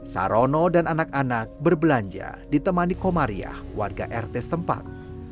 sarono dan anak anak berbelanja ditemani komariah warga rt setempat